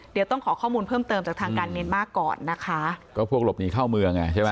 เดี๋ยวต้องขอข้อมูลเพิ่มเติมจากทางการเมียนมาร์ก่อนนะคะก็พวกหลบหนีเข้าเมืองอ่ะใช่ไหม